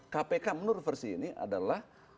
kpk menurut versi ini adalah